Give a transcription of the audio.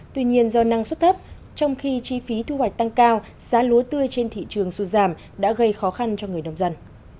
tuy nhiên do năng suất thấp trong khi chi phí thu hoạch tăng cao giá lúa tươi trên thị trường sụt giảm đã gây khó khăn cho người nông dân